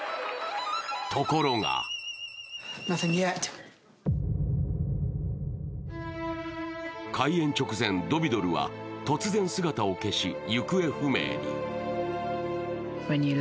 ところが、開演直前、ドヴィドルは突然、姿を消し、行方不明に。